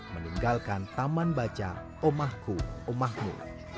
meninggalkan taman baca omahku omahmu